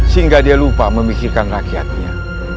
sehingga dia lupa memikirkan rakyatnya